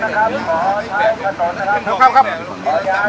สวัสดีครับทุกคน